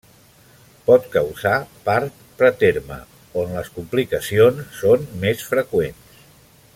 Pot causar part preterme, on les complicacions són més freqüents.